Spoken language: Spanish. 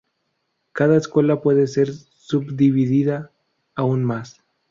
Cada escuela puede ser subdividida aún más.